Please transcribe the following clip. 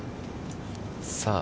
さあ、